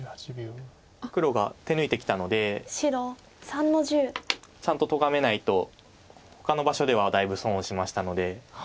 白３の十。ちゃんととがめないとほかの場所ではだいぶ損をしましたので。